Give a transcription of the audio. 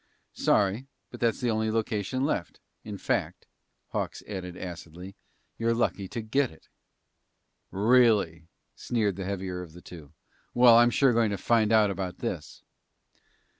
"Sorry, but that's the only location left. In fact," Hawks added acidly, "you're lucky to get it!" "Really?" sneered the heavier of the two. "Well, I'm sure going to find out about this!"